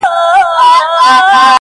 نن گدا وو خو سبا به دنيا دار وو-